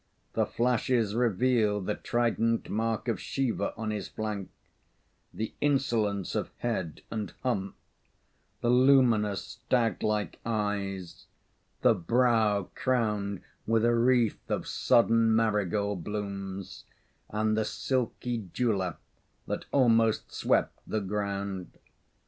The flashes revealed the trident mark of Shiva on his flank, the insolence of head and hump, the luminous stag like eyes, the brow crowned with a wreath of sodden marigold blooms, and the silky dewlap that almost swept the ground.